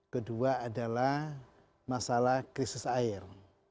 kedua adalah masalah krisis air